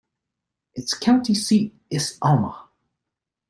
Its county seat is Alma.